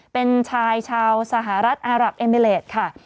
เป็นชายชาวสหรัฐอารับเอมิเลสค่ะ